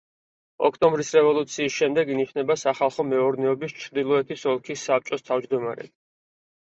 ოქტომბრის რევოლუციის შემდეგ ინიშნება სახალხო მეურნეობის ჩრდილოეთის ოლქის საბჭოს თავმჯდომარედ.